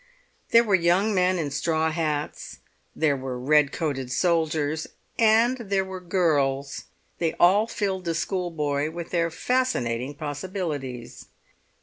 There were young men in straw hats, there were red coated soldiers, and there were girls. They all filled the schoolboy with their fascinating possibilities.